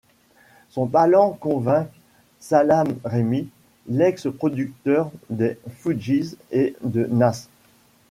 Son talent convainc Salaam Remi, l'ex producteur des Fugees et de Nas.